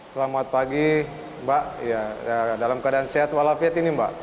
selamat pagi mbak dalam keadaan sehat walafiat ini mbak